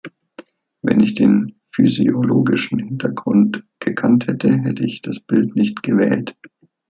Wenn ich den physiologischen Hintergrund gekannt hätte, hätte ich das Bild nicht gewählt.